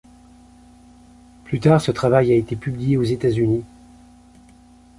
Plus tard, ce travail a été publié aux États-Unis.